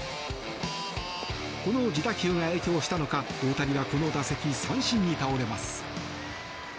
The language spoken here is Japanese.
この自打球が影響したのか大谷はこの打席三振に倒れます。